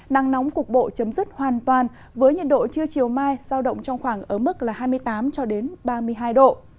năng nóng cục bộ chấm dứt hoàn toàn với nhiệt độ chưa chiều mai giao động trong khoảng ở mức hai mươi tám ba mươi hai độ